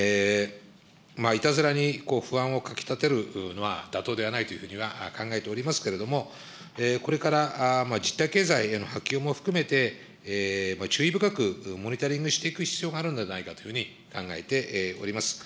いたずらに不安をかき立てるのは妥当ではないというふうには考えておりますけれども、これから実体経済への波及も含めて、注意深くモニタリングしていく必要があるんではないかというふうに考えております。